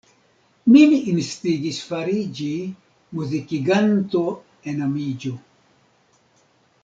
Min instigis fariĝi muzikiganto enamiĝo.